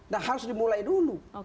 nah harus dimulai dulu